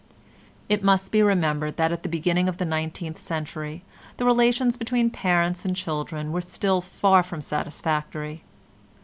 It must be remembered that at the beginning of the nineteenth century the relations between parents and children were still far from satisfactory.